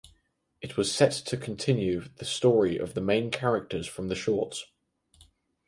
It was set to continue the story of the main characters from the shorts.